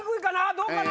どうかな？